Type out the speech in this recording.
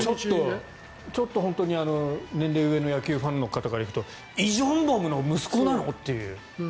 ちょっと本当に年齢が上の野球ファンが見るとイ・ジョンボムの息子なの？っていう。